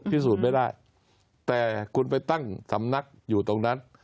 พิสูจน์ไม่ได้แต่คุณไปตั้งสำนักอยู่ตรงนั้น